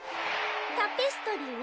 タペストリーね。